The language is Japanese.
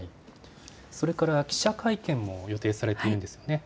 それから記者会見も予定されているんですよね。